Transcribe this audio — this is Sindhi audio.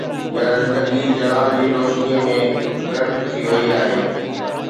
يا زندگي جلال جي روشني ۾ گر ٿي وئي آهي؟